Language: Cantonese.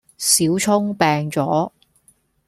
小聰病咗